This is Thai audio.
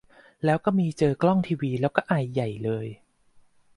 แล้วก็มีเจอกล้องทีวี แล้วก็ไอใหญ่เลย